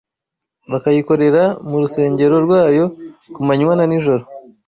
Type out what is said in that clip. bakayikorera mu rusengero rwayo ku manywa na nijoro